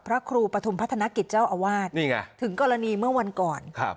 ครูปฐุมพัฒนกิจเจ้าอาวาสนี่ไงถึงกรณีเมื่อวันก่อนครับ